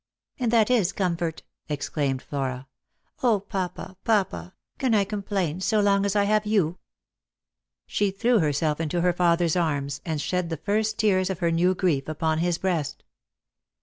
" And that is comfort !" exclaimed Flora. " O papa, papa can I complain so long as I have you ?" She threw herself into her father's arms, and shed the first tears of her new grief upon his breast.